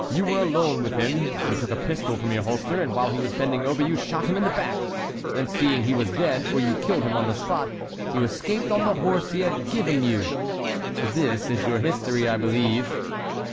You were alone with him; you took a pistol from your holster, and while he was bending over, you shot him in the back; then seeing he was dead—for you killed him on the spot—you escaped on the horse he had given you. This is your history, I believe?"